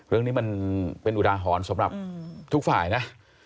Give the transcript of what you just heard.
เรื่องนี้มันเป็นอุทาหรณ์สำหรับทุกฝ่ายนะ